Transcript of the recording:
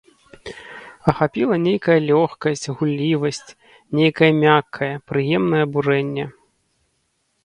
Ахапіла нейкая лёгкасць, гуллівасць, нейкае мяккае, прыемнае абурэнне.